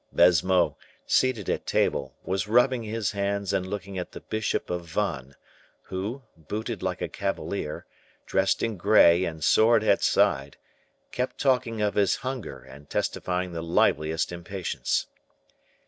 Baisemeaux, seated at table, was rubbing his hands and looking at the bishop of Vannes, who, booted like a cavalier, dressed in gray and sword at side, kept talking of his hunger and testifying the liveliest impatience.